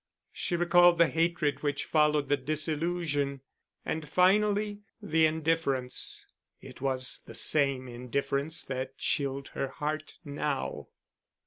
She recalled the hatred which followed the disillusion, and finally the indifference. It was the same indifference that chilled her heart now.